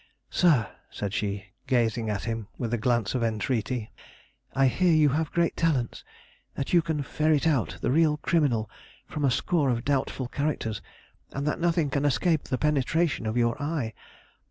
"Sir," said she, gazing at him with a glance of entreaty: "I hear you have great talents; that you can ferret out the real criminal from a score of doubtful characters, and that nothing can escape the penetration of your eye.